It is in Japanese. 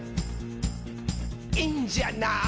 「いいんじゃない？」